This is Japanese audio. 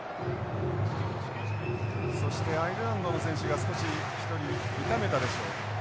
そしてアイルランドの選手が少し１人痛めたでしょうか。